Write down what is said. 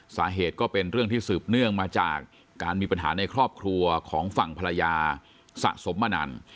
สาเหตุก็เป็นเรื่องที่สืบเนื่องมาจากการมีปัญหาในครอบครัวของฝั่งภรรยาสะสมมานาน